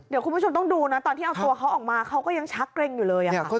เดี๋ยวคุณผู้ชมต้องดูนะตอนที่เอาตัวเขาออกมาเขาก็ยังชักเกร็งอยู่เลย